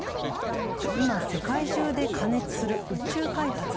今、世界中で過熱する宇宙開発。